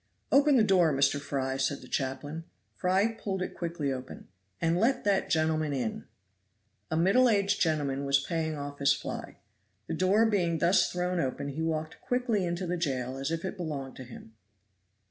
"Open the door, Mr. Fry," said the chaplain. Fry pulled it quickly open. "And let that gentleman in!" A middle aged gentleman was paying off his fly. The door being thus thrown open he walked quickly into the jail as if it belonged to him.